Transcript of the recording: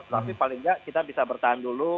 tapi paling tidak kita bisa bertahan dulu